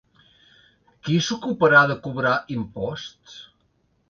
Qui s’ocuparà de cobrar imposts?